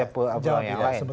saya bisa jawabin ya sebetulnya